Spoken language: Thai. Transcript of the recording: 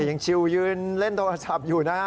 ยังชิวยืนเล่นโทรศัพท์อยู่นะฮะ